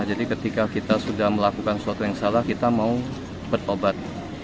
jadi ketika kita sudah melakukan sesuatu yang salah kita mau berobat